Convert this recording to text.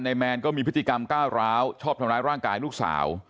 แมนก็มีพฤติกรรมก้าวร้าวชอบทำร้ายร่างกายลูกสาว